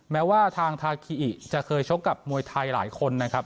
แม้ว่าทางทาคิอิจะเคยชกกับมวยไทยหลายคนนะครับ